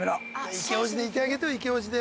イケオジでいてあげてイケオジで。